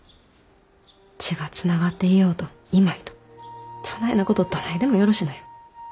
血がつながっていようといまいとそないなことどないでもよろしのや。